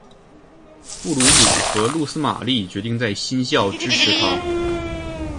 布卢姆和露丝玛丽决定在新校支持他。